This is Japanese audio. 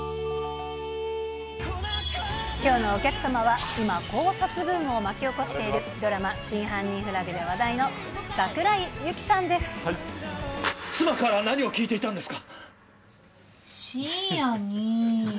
きょうのお客様は、今、考察ブームを巻き起こしているドラマ、真犯人フラグで話題の桜井妻から何を聞いていたんですか。